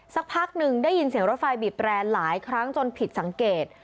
สักพักหนึ่งได้ยินเสียงรถไฟบีบแรนหลายครั้งจนผิดสังเกต